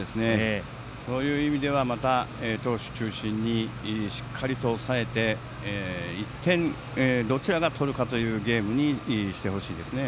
そういう意味ではまた投手中心にしっかりと抑えて１点、どちらが取るかというゲームにしてほしいですね。